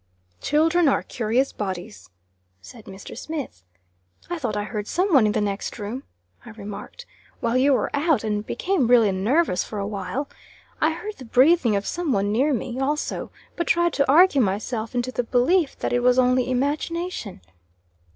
"Children are curious bodies," said Mr. Smith. "I thought I heard some one in the next room," I remarked, "while you were out, and became really nervous for a while. I heard the breathing of some one near me, also; but tried to argue myself into the belief that it was only imagination."